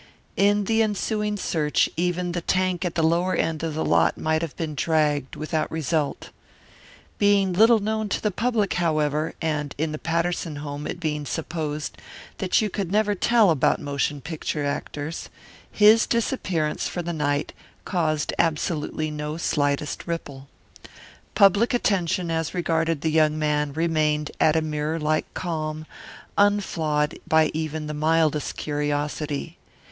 In the ensuing search even the tank at the lower end of the lot might have been dragged without result. Being little known to the public, however, and in the Patterson home it being supposed that you could never tell about motion picture actors, his disappearance for the night caused absolutely no slightest ripple. Public attention as regarded the young man remained at a mirror like calm, unflawed by even the mildest curiosity.